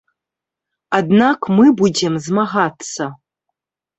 Аднак мы будзем змагацца.